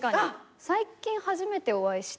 最近初めてお会いして。